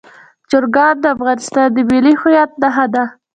چرګان د افغانستان د ملي هویت نښه ده.